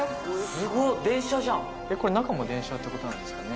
・すごっ電車じゃん・これ中も電車ってことなんですかね？